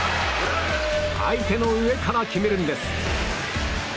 相手の上から決めるんです。